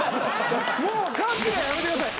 もう勘違いやめてください。